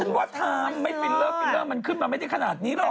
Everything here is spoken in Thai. ฉันว่าทำไม่ฟิลเลอร์มันขึ้นมาไม่ได้ขนาดนี้หรอก